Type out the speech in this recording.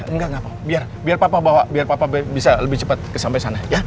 enggak enggak biar papa bawa biar papa bisa lebih cepat kesampe sana ya